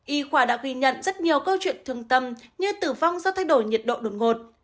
y quả đã ghi nhận rất nhiều câu chuyện thương tâm như tử vong do thay đổi nhiệt độ đột ngột